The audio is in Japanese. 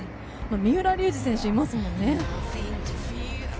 三浦龍司選手がいますもんね。